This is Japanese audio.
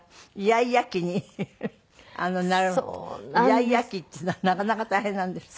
イヤイヤ期っていうのはなかなか大変なんですって？